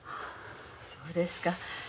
そうですか。